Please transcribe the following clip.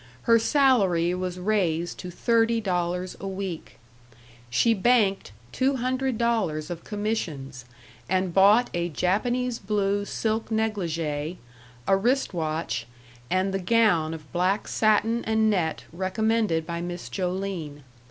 Her salary was raised to thirty dollars a week. She banked two hundred dollars of commissions, and bought a Japanese blue silk negligée, a wrist watch, and the gown of black satin and net recommended by Miss Joline.